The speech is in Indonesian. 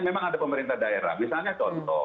memang ada pemerintah daerah misalnya contoh